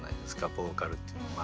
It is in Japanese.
ボーカルっていうのは。